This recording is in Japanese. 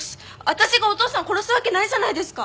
私がお父さんを殺すわけないじゃないですか！